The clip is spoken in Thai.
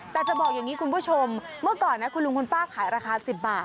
แต่จะบอกอย่างนี้คุณผู้ชมเมื่อก่อนนะคุณลุงคุณป้าขายราคา๑๐บาท